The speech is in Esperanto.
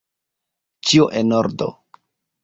Ĉio en ordo!